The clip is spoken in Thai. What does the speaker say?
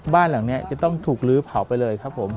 บ้านหลังนี้จะต้องถูกลื้อเผาไปเลยครับผม